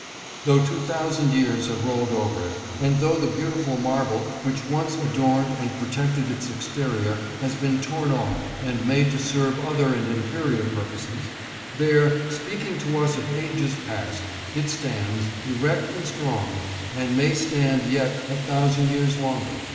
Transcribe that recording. Though two thousand years have rolled over it, and though the beautiful marble which once adorned and protected its exterior has been torn off and made to serve other and inferior purposes, there, speaking to us of ages past, it stands, erect and strong, and may stand yet a thousand years longer.